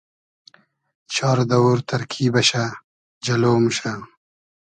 چار دئوور تئرکی بئشۂ جئلۉ موشۂ